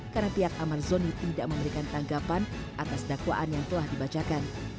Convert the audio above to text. karena pihak amar zoni tidak memberikan tanggapan atas dakwaan yang telah dibacakan